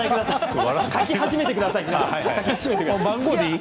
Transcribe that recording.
書き始めてください。